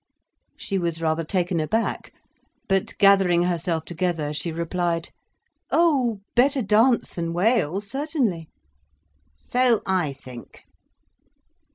She was rather taken aback. But, gathering herself together, she replied: "Oh—better dance than wail, certainly." "So I think."